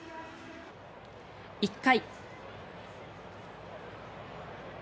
１回。